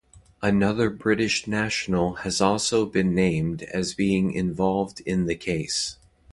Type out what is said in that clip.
Another British national has also been named as being involved in the case.